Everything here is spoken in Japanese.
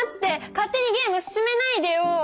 勝手にゲーム進めないでよ！